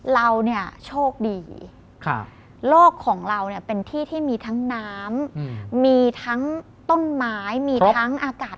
เราเนี่ยโชคดีโลกของเราเนี่ยเป็นที่ที่มีทั้งน้ำมีทั้งต้นไม้มีทั้งอากาศ